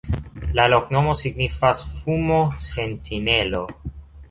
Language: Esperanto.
La loknomo signifas: fumo-sentinelo.